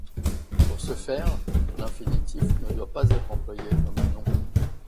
Pour ce faire, l'infinitif ne doit pas être employé comme un nom.